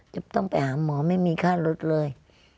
จะต้องไปหาหมอไม่มีค่ารถเลย